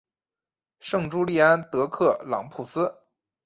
圣朱利安德克朗普斯。